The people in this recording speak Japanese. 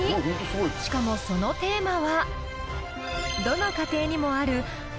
しかもそのテーマは。